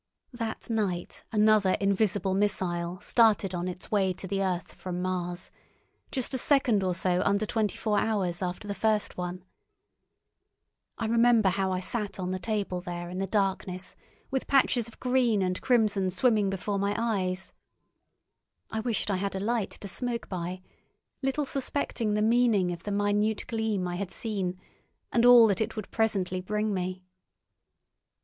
That night another invisible missile started on its way to the earth from Mars, just a second or so under twenty four hours after the first one. I remember how I sat on the table there in the blackness, with patches of green and crimson swimming before my eyes. I wished I had a light to smoke by, little suspecting the meaning of the minute gleam I had seen and all that it would presently bring me.